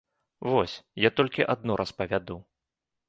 Вось, я толькі адно распавяду.